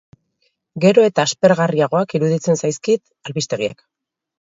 Gero eta aspergarriagoak iruditzen zaizkit albistegiak.